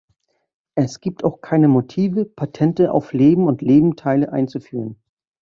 Es gibt auch keine Motive, Patente auf Leben und Lebendteile einzuführen.